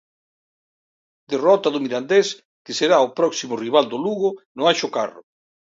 Derrota do Mirandés que será o próximo rival do Lugo no Anxo Carro.